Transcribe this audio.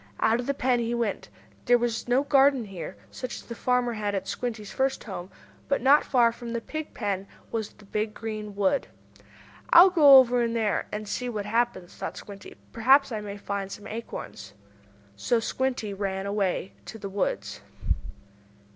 Out of the pen he went. There was no garden here, such as the farmer had at Squinty's first home. But, not far from the pig pen was the big, green wood. "I'll go over in there and see what happens," thought Squinty. "Perhaps I may find some acorns." And so Squinty ran away to the woods.